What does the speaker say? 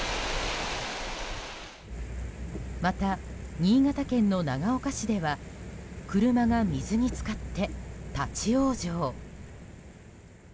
また、新潟県の長岡市では車が水に浸かって、立ち往生。